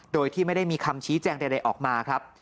โดยที่ไม่ได้มีคำชี้แจงใดออกมาครับ